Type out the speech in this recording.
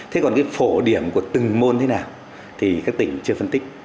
thế còn cái phổ điểm của từng môn thế nào thì các tỉnh chưa phân tích